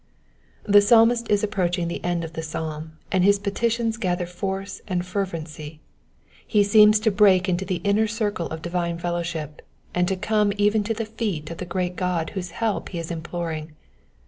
The Psalmist is approaching the end of the psalm, and his petitions gather force and fervency ; he seems to break into the inner circle of divine fellow ship, and to come even to the feet of the great God whose help he is imploring.